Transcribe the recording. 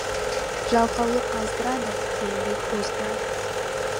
Жалқаулық аздырады, еңбек оздырады.